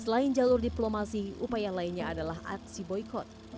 selain jalur diplomasi upaya lainnya adalah aksi boykot